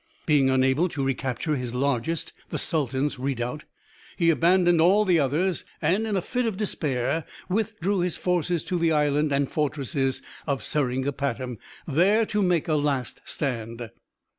Being unable to recapture his largest the sultan's redoubt, he abandoned all the others, and, in a fit of despair, withdrew his forces to the island and fortress of Seringapatam, there to make a last stand.